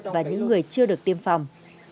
và những người chưa được tiêm phòng